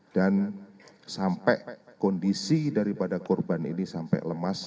dan sampai kondisi daripada korban ini sampai lemas